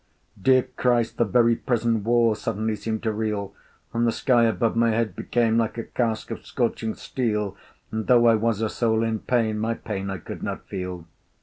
Dear Christ! the very prison walls Suddenly seemed to reel, And the sky above my head became Like a casque of scorching steel; And, though I was a soul in pain, My pain I could not feel.